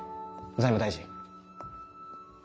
財務大臣。